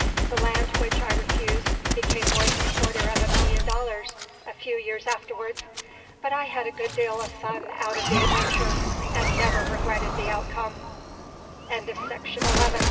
The land which I refused became worth a quarter of a million of dollars a few years afterwards, but I had a good deal of fun out of the adventure, and never regretted the outcome. TEMPERANCE AT TRAVERSE.